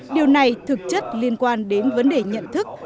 điều này thực chất liên quan đến vấn đề nhận thức